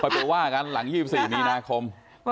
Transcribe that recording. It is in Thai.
ไปว่ากันหลัง๒๔มีนาคม